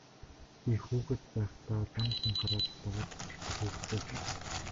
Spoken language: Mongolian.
Би хүүхэд байхдаа лам хүн хараад л дагаад гүйчихдэг хүүхэд байсан.